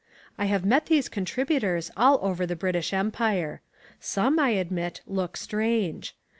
I have met these "contributors" all over the British Empire. Some, I admit, look strange.